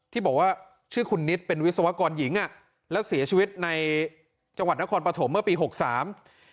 ที่บอกว่าชื่อคุณนิดเป็นวิศวกรหญิงอ่ะแล้วเสียชีวิตในจังหวัดนครปฐมเมื่อปีหกสาม